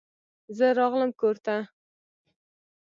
زه راغلم کور ته.